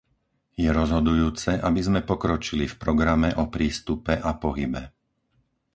Je rozhodujúce, aby sme pokročili v programe o prístupe a pohybe.